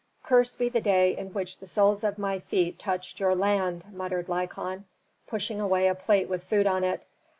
"Cursed be the day in which the soles of my feet touched your land!" muttered Lykon, pushing away a plate with food on it.